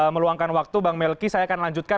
meluangkan waktu bang melki saya akan lanjutkan